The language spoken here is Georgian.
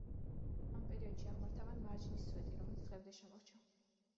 ამ პერიოდში აღმართა მან მარჯნის სვეტი, რომელიც დღემდე შემორჩა.